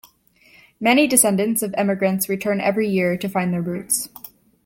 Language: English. Many descendants of emigrants return every year to find their roots.